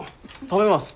食べます。